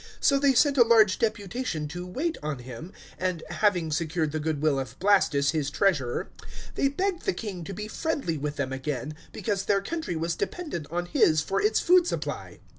So they sent a large deputation to wait on him; and having secured the good will of Blastus, his treasurer, they begged the king to be friendly with them again, because their country was dependent on his for its food supply.